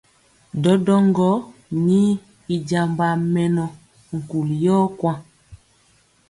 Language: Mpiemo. Ɗɔɗɔŋgɔ ni i jambaa mɛnɔ nkuli yɔ kwaŋ.